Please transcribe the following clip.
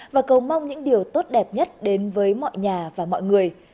và cầu mong những điều tốt đẹp nhất đến với mọi nhà và mọi người